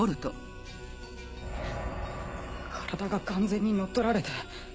体が完全に乗っ取られて。